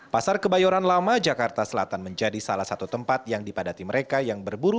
pasar kebayoran lama jakarta selatan menjadi salah satu tempat yang dipadati mereka yang berburu